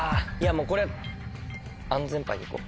もうこれ安全パイでいこう。